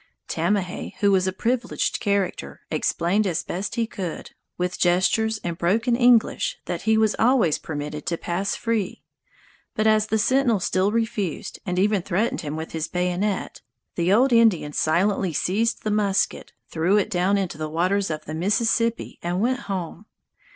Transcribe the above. Tamahay, who was a privileged character, explained as best he could, with gestures and broken English, that he was always permitted to pass free; but as the sentinel still refused, and even threatened him with his bayonet, the old Indian silently seized the musket, threw it down into the waters of the Mississippi and went home.